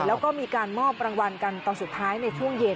แล้วก็มีการมอบรางวัลกันตอนสุดท้ายในช่วงเย็น